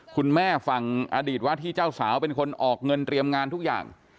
คุณแม่ฝั่งอดีตว่าที่เจ้าสาวเป็นคนออกเงินเตรียมงานทุกอย่าง